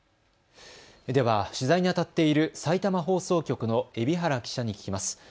では取材にあたっているさいたま放送局の海老原記者に聞きます。